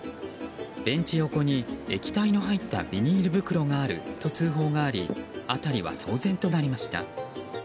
ベンチ横に、液体の入ったビニール袋があると通報があり辺りは騒然となりました。